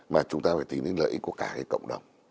mà chúng ta phải tính đến lợi ích của cả cái cộng đồng